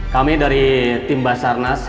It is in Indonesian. kami dari tim basarnas